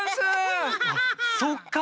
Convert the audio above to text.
あっそっか！